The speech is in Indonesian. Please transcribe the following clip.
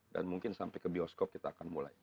dan mungkin sampai ke bioskop kita akan mulai